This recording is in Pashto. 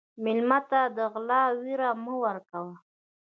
مېلمه ته د غلا وېره مه ورکوه.